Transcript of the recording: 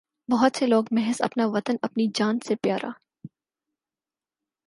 بہت سے لوگ محض اپنا وطن اپنی جان سے پیا را